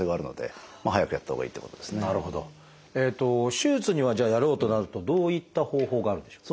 手術にはじゃあやろうとなるとどういった方法があるんでしょう？